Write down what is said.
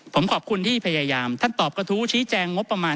ผมขอบคุณที่พยายามท่านตอบกระทู้ชี้แจงงบประมาณ